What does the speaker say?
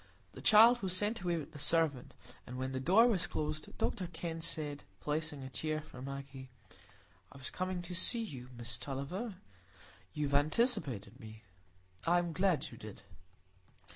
The child was sent away with the servant, and when the door was closed, Dr Kenn said, placing a chair for Maggie,— "I was coming to see you, Miss Tulliver; you have anticipated me; I am glad you did."